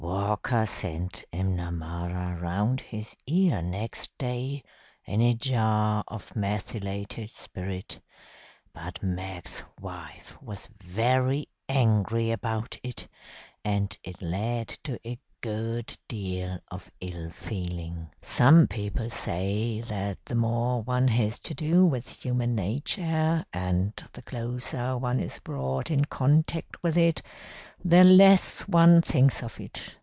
Walker sent M'Namara round his ear next day in a jar of methylated spirit, but Mac's wife was very angry about it, and it led to a good deal of ill feeling. "Some people say that the more one has to do with human nature, and the closer one is brought in contact with it, the less one thinks of it.